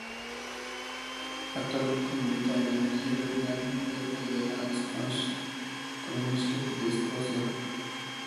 Actualmente milita en el Hibernian F. C. de la Scottish Premiership de Escocia.